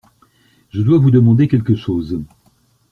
Je dois vous demander quelque chose.